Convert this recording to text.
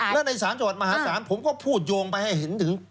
แล้วในศาลจังหวัดมหาศาลผมก็พูดโยงไปให้เห็นถึง